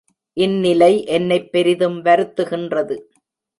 இந்நிலை என்னைப் பெரிதும் வருத்துகின்றது.